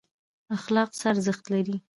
اخلاق څه ارزښت لري؟